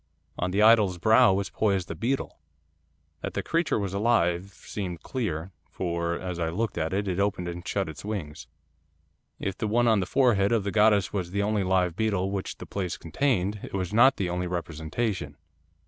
On the idol's brow was poised a beetle. That the creature was alive seemed clear, for, as I looked at it, it opened and shut its wings. 'If the one on the forehead of the goddess was the only live beetle which the place contained, it was not the only representation.